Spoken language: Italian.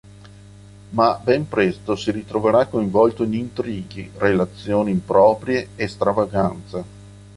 Ma ben presto si ritroverà coinvolto in intrighi, relazioni improprie e stravaganze.